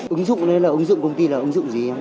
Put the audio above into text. ứng dụng đấy là ứng dụng công ty là ứng dụng gì